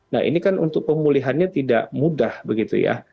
nah ini kan untuk pemulihannya tidak mudah begitu ya